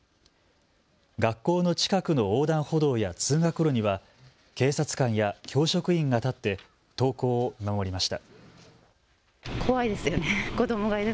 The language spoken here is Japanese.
学校の近くの横断歩道や通学路には警察官や教職員が立って登校を見守りました。